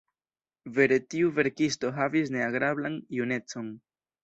Vere tiu verkisto havis ne agrablan junecon.